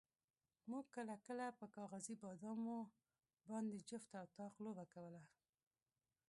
موږ کله کله په کاغذي بادامو باندې جفت او طاق لوبه کوله.